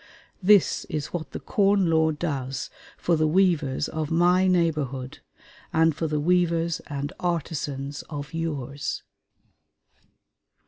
This is what the Corn Law does for the weavers of my neighborhood, and for the weavers and artisans of yours....